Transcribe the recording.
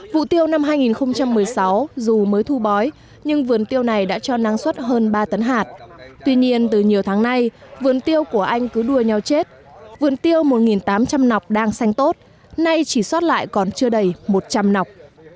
vụ tiêu năm hai nghìn một mươi sáu dù mới thu bói nhưng vườn tiêu này đã cho năng suất hơn ba tấn hạt tuy nhiên từ nhiều tháng nay vườn tiêu của anh cứ đua nhau chết vườn tiêu một tám trăm linh nọc đang xanh tốt nay chỉ xót lại còn chưa đầy một trăm linh nọc